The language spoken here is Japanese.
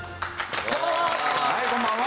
こんばんは！